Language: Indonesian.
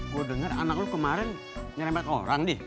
gua denger anak lu kemarin ngerempet orang di